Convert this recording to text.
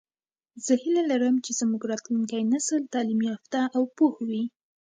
زه هیله لرم چې زمونږ راتلونکی نسل تعلیم یافته او پوهه وي